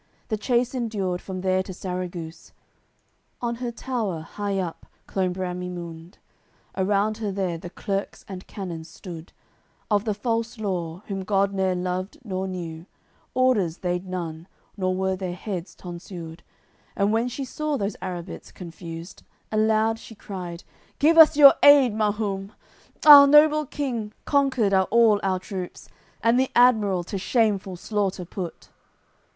The chase endured from there to Sarraguce. On her tower, high up clomb Bramimunde, Around her there the clerks and canons stood Of the false law, whom God ne'er loved nor knew; Orders they'd none, nor were their heads tonsured. And when she saw those Arrabits confused Aloud she cried: "Give us your aid, Mahume! Ah! Noble king, conquered are all our troops, And the admiral to shameful slaughter put!"